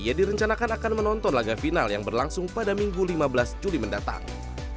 ia direncanakan akan menonton laga final yang berlangsung pada minggu lima belas juli mendatang